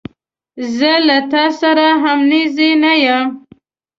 زه له تا سره همنیزی نه یم.